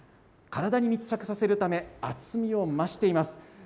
体に密着させるため、厚みを増しています。